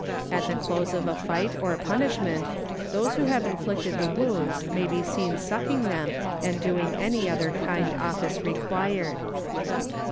At the close of a fight or punish ment, those who have inflicted the wounds may be seen sucking them and doing any other kind office required.